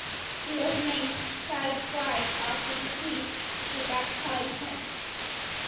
He was named Siegfried after the priest who baptized him.